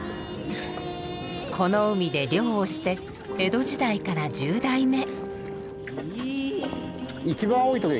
この海で漁をして江戸時代から１０代目。